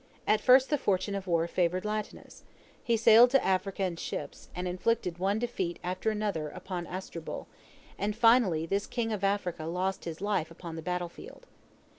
At first the fortune of war favored Latinus. He sailed to Africa in ships, and inflicted one defeat after another upon Asdrubal, and finally this king of Africa lost his life upon the battlefield.